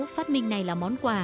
phát minh này là món quà